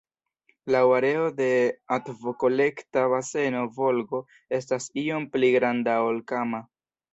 Laŭ areo de akvokolekta baseno Volgo estas iom pli granda ol Kama.